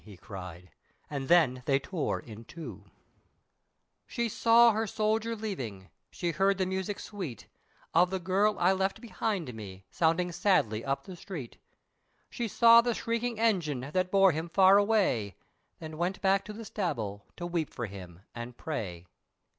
he cried, and then they tore in two! She saw her soldier leaving, she heard the music sweet, Of "The girl I left behind me" sounding sadly up the street, She saw the shrieking engine, that bore him far away, Then went back to the Staball, to weep for him and pray.